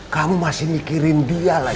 kamu masih mikirin dia lah